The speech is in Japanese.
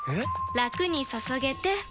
ラクに注げてペコ！